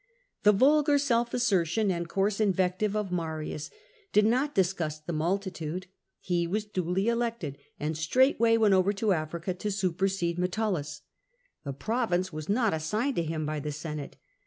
The vulgar self assertion and coarse invective of Marius did not disgust the multitude ; he was duly elected, and straightway went over to Africa to supersede Metellus. The province was not assigned to him by the Senate.